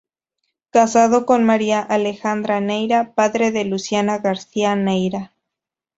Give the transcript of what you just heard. Casado con María Alejandra Neira; padre de Luciana García Neira.